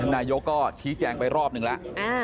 นายกก็ชี้แจงไปรอบหนึ่งแล้ว